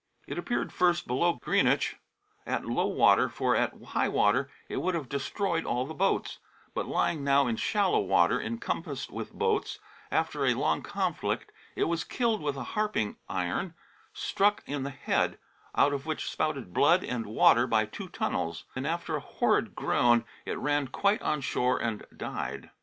It appeared first below Greenewich at low water, for at high water it would have destroyed all the boates, but lying now in shallow water incompassed with boates, after a long conflict it was kill'd with a harping yron, struck in the head, out of which spouted blood and water by two tunnells, and after an horrid grone it ran quite on shore and died.